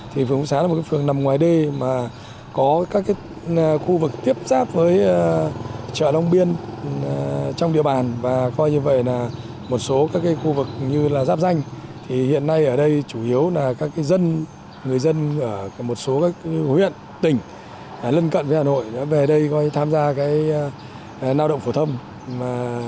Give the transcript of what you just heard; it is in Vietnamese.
huyện tỉnh lân cận với hà nội đã về đây tham gia nạo động phổ thâm